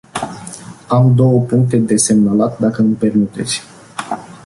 Am două puncte de semnalat, dacă îmi permiteți.